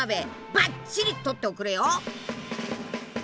ばっちり撮っておくれよ！